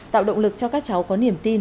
tạo động lực cho các cháu có niềm tin